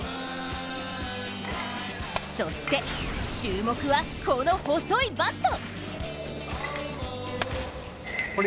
そして、注目はこの細いバット。